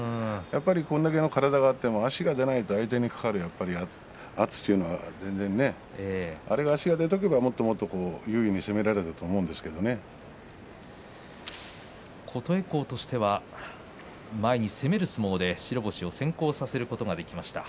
これだけの体でも足が出ないと相手にかかる圧力というのは足が出ていればもっともっと優位に攻められたと琴恵光としては前に攻める相撲で白星を先行させることができました。